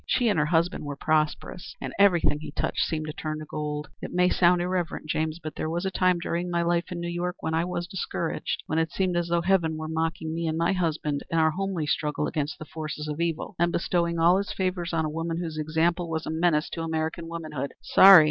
She and her husband were prosperous, and everything he touched seemed to turn to gold. It may sound irreverent, James, but there was a time during my life in New York when I was discouraged; when it seemed as though heaven were mocking me and my husband in our homely struggle against the forces of evil, and bestowing all its favors on a woman whose example was a menace to American womanhood! Sorry?